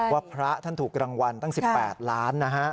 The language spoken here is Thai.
ว่าพระท่านถูกรางวัลตั้ง๑๘ล้านนะฮะ